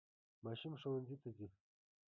ماشوم ښوونځي ته ځي.